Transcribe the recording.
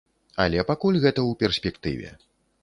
Але пакуль гэта ў перспектыве.